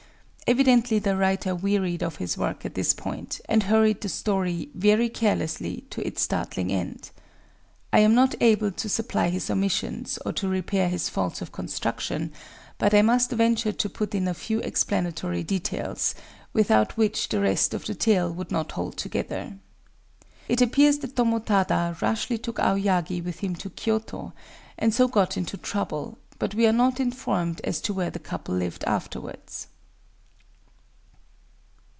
Evidently the writer wearied of his work at this point, and hurried the story, very carelessly, to its startling end. I am not able to supply his omissions, or to repair his faults of construction; but I must venture to put in a few explanatory details, without which the rest of the tale would not hold together... It appears that Tomotada rashly took Aoyagi with him to Kyōto, and so got into trouble; but we are not informed as to where the couple lived afterwards.